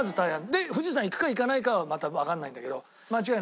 で富士山行くか行かないかはまたわかんないんだけど間違いなく。